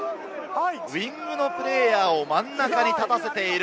ウイングのプレーヤーを真ん中に立たせている。